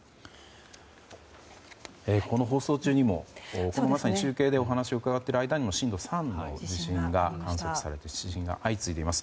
この放送中にも、まさに中継で話を伺っている時にも震度３の地震が観測されて地震が相次いでいます。